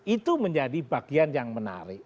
itu menjadi bagian yang menarik